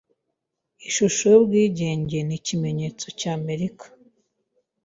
Ishusho y'Ubwigenge ni ikimenyetso cya Amerika.